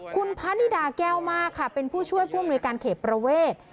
คุณพะนิดาแก้วมากค่ะเป็นผู้ช่วยผู้อำนวยการเขตประเวท